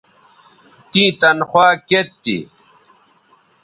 تیں تنخوا کیئت تھی